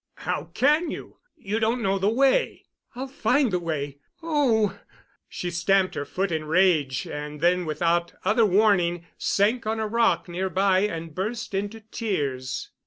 "How can you? You don't know the way." "I'll find the way. Oh——" She stamped her foot in rage and then, without other warning, sank on a rock near by and burst into tears.